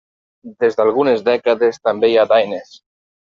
Des d'algunes dècades, també hi ha daines.